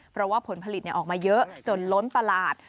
เพราะว่าผลผลิตออกมาเยอะจนล้นตลาด